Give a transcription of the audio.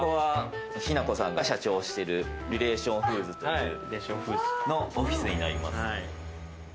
雛子さんが社長をしているリレーション・フーズというオフィスになります。